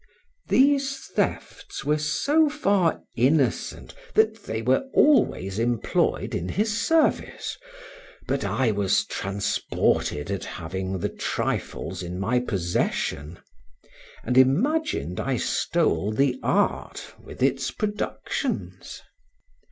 These thefts were so far innocent, that they were always employed in his service, but I was transported at having the trifles in my possession, and imagined I stole the art with its productions.